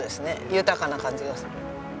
豊かな感じがする。